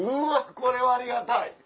これはありがたい。